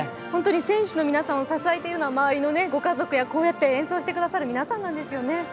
本当に選手の皆さんを支えているのは、周りのご家族やこうやって演奏してくださる皆さんなんですよね。